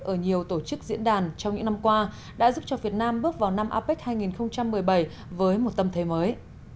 ở nhiều tổ chức diễn đàn trong những năm qua đã giúp cho việt nam bước vào năm apec hai nghìn một mươi bảy với một tâm thế mới